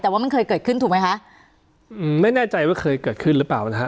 แต่ว่ามันเคยเกิดขึ้นถูกไหมคะอืมไม่แน่ใจว่าเคยเกิดขึ้นหรือเปล่านะฮะ